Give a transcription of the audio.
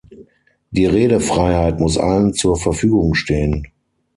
Die Redefreiheit muss allen zur Verfügung stehen.